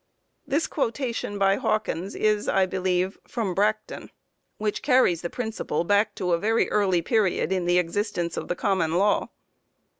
This quotation by Hawkins is, I believe, from Bracton, which carries the principle back to a very early period in the existence of the common law.